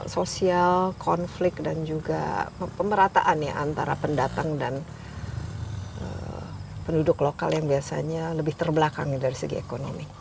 sosial konflik dan juga pemerataan ya antara pendatang dan penduduk lokal yang biasanya lebih terbelakang dari segi ekonomi